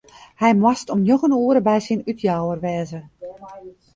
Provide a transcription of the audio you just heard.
Hy moast om njoggen oere by syn útjouwer wêze.